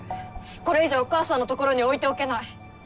これ以上お母さんのところに置いておけない。